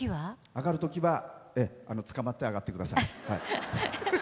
あがるときはつかまってあがってください。